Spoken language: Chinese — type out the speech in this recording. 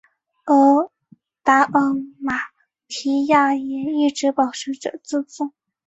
而达尔马提亚也一直保持着自治。